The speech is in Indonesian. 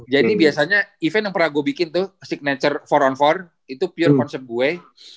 jadi biasanya event yang pernah gue bikin tuh signature empat on empat itu pure konsep gue